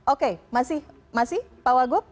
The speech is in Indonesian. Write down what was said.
oke masih pak wagwab